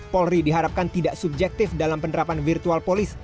polri diharapkan tidak subjektif dalam penerapan virtual police